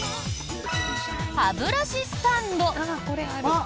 歯ブラシスタンド。